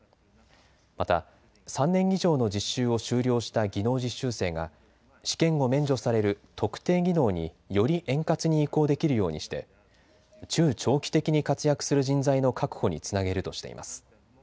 また３年以上の実習を修了した技能実習生が試験を免除される特定技能により円滑に移行できるようにして中長期的に活躍する人材の確保につなげるとしています。